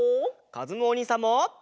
かずむおにいさんも！